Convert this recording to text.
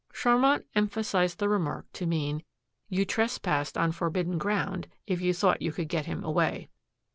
Charmant emphasized the remark to mean, "You trespassed on forbidden ground, if you thought you could get him away."